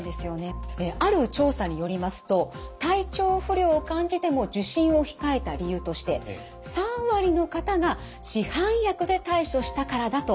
ある調査によりますと体調不良を感じても受診を控えた理由として３割の方が「市販薬で対処したから」だと答えています。